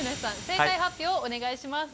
正解発表をお願いします。